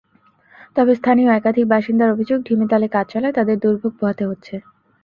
তবে স্থানীয় একাধিক বাসিন্দার অভিযোগ, ঢিমেতালে কাজ চলায় তাঁদের দুর্ভোগ পোহাতে হচ্ছে।